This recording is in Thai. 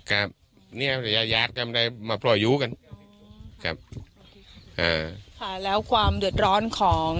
ครับเนี้ยยาดกันเลยมาพลอยูกันครับอ่าค่ะแล้วความเดือดร้อนของ